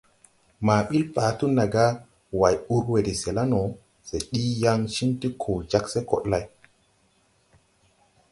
Ma ɓil Patu naga, Way ur we de se la no, se ɗiigi yaŋ ciŋ ti koo jag see koɗ lay.